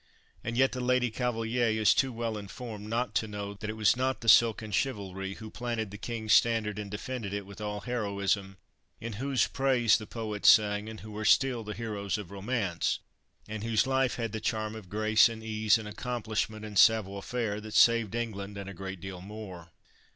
And yet the Lady Cavaliere is too well informed not to know that it was not the silken chivalry who planted the king's standard and defended it with all heroism, in whose praise the poets sang, who are still the heroes of romance, and whose life had the charm of grace and ease and accomplishment and savoir faire, that saved England and a great deal more.